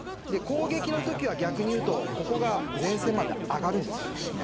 攻撃のときは逆に言うとここが前線まで上がるんです。